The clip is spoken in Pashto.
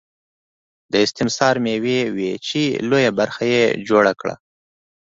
دا استثماري مېوې وې چې لویه برخه یې جوړه کړه